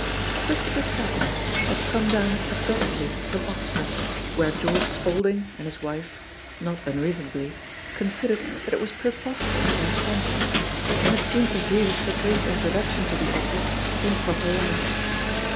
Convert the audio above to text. Christopher Tatham had come down abruptly from Oxford, where George Spaulding and his wife, not unreasonably, considered that it was preposterous to have sent him, and had seemed to view his proposed introduction to the office in a proper light.